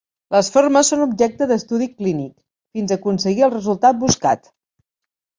Les formes son objecte d'estudi clínic, fins a aconseguir el resultat buscat.